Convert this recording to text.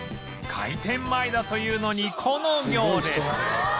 開店前だというのにこの行列